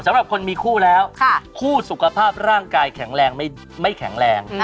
สำหรับคนมีคู่แล้วคู่สุขภาพร่างกายแข็งแรงไม่แข็งแรง